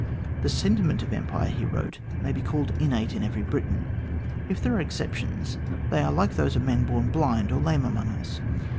The sentiment of empire, he wrote, may be called innate in every Briton. If there are exceptions, they are like those of men born blind or lame among us.